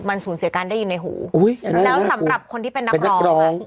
มันสูญเสียการได้ยินในหูแล้วสำหรับคนที่เป็นนักร้อง